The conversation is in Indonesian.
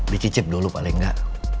dicicip dulu paling enggak